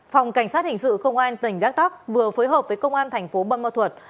phòng cảnh sát hình sự công an tỉnh đắk lắc vừa phối hợp với công an thành phố bâm mơ thuật